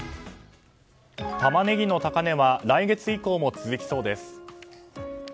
タマネギの高値は来月以降も続きそうです。